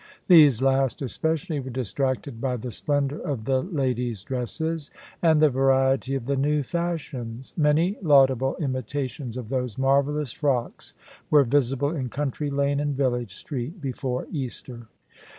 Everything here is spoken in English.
These last, especially, were distracted by the splendour of the ladies' dresses, and the variety of the new fashions. Many laudable imitations of those marvellous frocks were visible in country lane and village street before Easter.